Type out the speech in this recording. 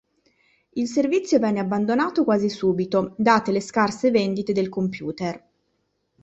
Il servizio venne abbandonato quasi subito date le scarse vendite del computer.